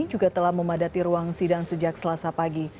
juga telah memadati ruang sidang sejak selasa pagi